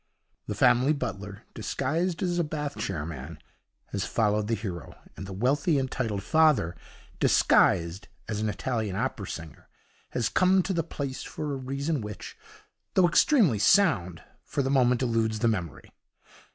The family butler, disguised as a Bath chair man, has followed the hero, and the wealthy and titled father, disguised as an Italian opera singer, has come to the place for a reason which, though extremely sound, for the moment eludes the memory.